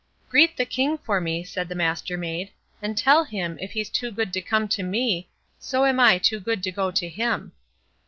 "Greet the King from me", said the Mastermaid, "and tell him, if he's too good to come to me, so am I too good to go to him."